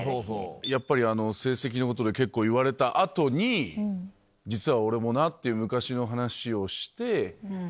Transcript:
やっぱり成績のことで結構言われた後に「実は俺もな」っていう昔の話をして。